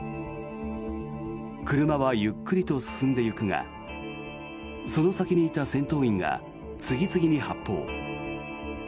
車はゆっくりと進んでいくがその先にいた戦闘員が次々に発砲。